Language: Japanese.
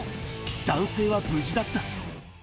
男性は無事だった。